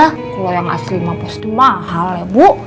kalo yang asli mah pasti mahal ya bu